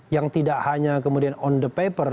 yang tidak hanya kemudian on the paper